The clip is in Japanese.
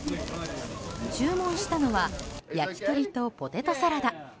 注文したのは焼き鳥とポテトサラダ。